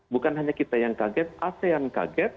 bukan hanya kita yang kaget asean kaget